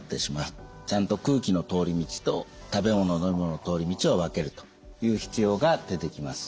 ちゃんと空気の通り道と食べ物飲み物の通り道を分けるという必要が出てきます。